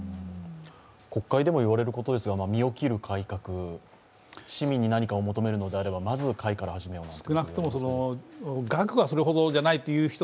国会でも言われることですが身を切る改革市民に何かを求めるのであれば、まず槐から始めよなんですが。